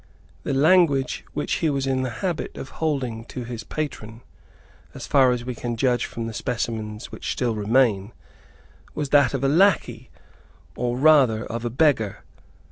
The language which he was in the habit of holding to his patron, as far as we can judge from the specimens which still remain, was that of a lacquey, or rather of a beggar.